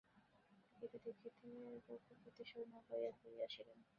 দেখিতে দেখিতে রঘুপতি সৈন্য লইয়া ফিরিয়া আসিলেন।